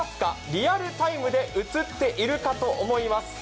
リアルタイムで映っているかと思います。